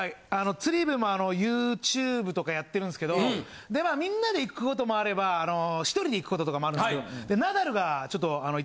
釣り部もＹｏｕＴｕｂｅとかやってるんすけどみんなで行く事もあれば１人で行く事とかもあるんすけど。